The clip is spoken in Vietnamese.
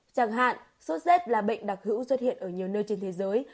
chẳng hạn sốt z là bệnh đặc hữu xuất hiện ở nhiều nơi trên thế giới